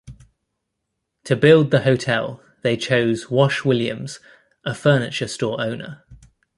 To build the hotel, they chose Wash Williams, a furniture store owner.